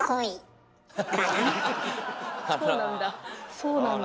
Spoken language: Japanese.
そうなんだ。